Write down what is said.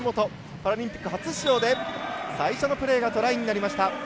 パラリンピック初出場で最初のプレーがトライになりました。